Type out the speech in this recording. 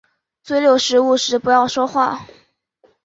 嘴里有食物时不要说话。